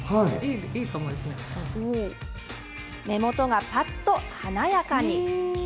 目元がぱっと華やかに。